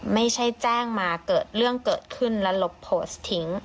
ไม่ใช่แจ้งมาเกิดเรื่องเกิดขึ้นแล้วลบโพสต์ทิ้ง